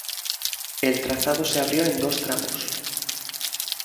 El trazado se abrió en dos tramos.